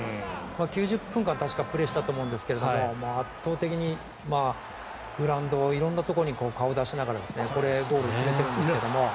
９０分間プレーしたと思うんですが圧倒的にグラウンドを色んなところに顔を出しながらこれ、ゴールを決めているんですけども。